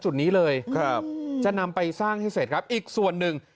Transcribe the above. จุดนี้เลยครับจะนำไปสร้างให้เสร็จครับอีกส่วนหนึ่ง